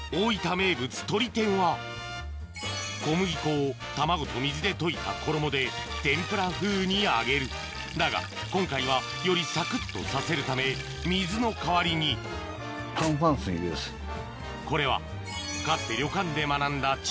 名物とり天は小麦粉を卵と水で溶いた衣で天ぷら風に揚げるだが今回はよりサクっとさせるため水の代わりにこれはかつて旅館で学んだ知恵